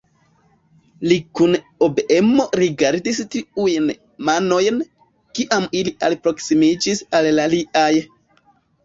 Li kun obeemo rigardis tiujn manojn, kiam ili alproksimiĝis al la liaj.